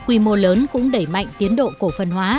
quy mô lớn cũng đẩy mạnh tiến độ cổ phần hóa